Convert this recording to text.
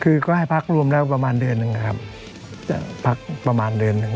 คือก็ให้พักรวมแล้วประมาณเดือนหนึ่งนะครับจะพักประมาณเดือนหนึ่ง